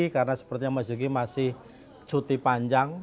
karena sepertinya mas yogi masih cuti panjang